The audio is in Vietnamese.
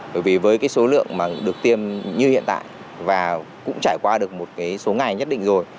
bởi vì với cái số lượng mà được tiêm như hiện tại và cũng trải qua được một cái số ngày nhất định rồi